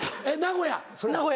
名古屋？